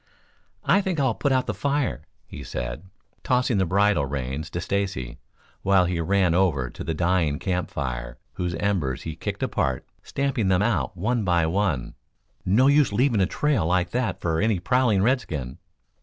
"I think I'll put out the fire," he said, tossing the bridle reins to Stacy, while he ran over to the dying camp fire, whose embers he kicked apart, stamping them out one by one. "No use leaving a trail like that for any prowling redskin."